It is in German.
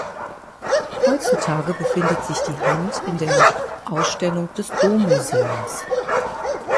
Heutzutage befindet sich die Hand in der Ausstellung des Dom-Museums.